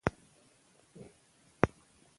افغانستان د لوگر په اړه علمي څېړنې لري.